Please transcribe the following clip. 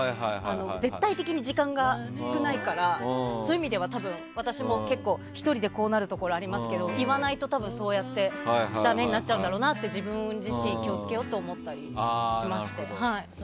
絶対的に時間が少ないからそういう意味では私も結構１人でこうなるところがありますけど言わないとだめになるんだろうなと思って自分自身、気を付けようと思ったりしまして。